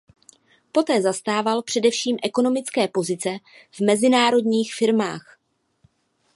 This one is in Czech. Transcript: Poté zastával především ekonomické pozice v mezinárodních firmách.